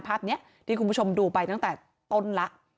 ภาพนี้ที่คุณผู้ชมดูไปตั้งแต่ต้นละ